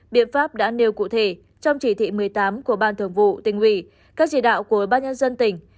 biện pháp đã nêu cụ thể trong chỉ thị một mươi tám của ban thường vụ tỉnh ủy các chỉ đạo của ban nhân dân tỉnh